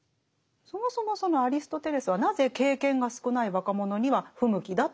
そもそもそのアリストテレスはなぜ経験が少ない若者には不向きだって言ってるんですか？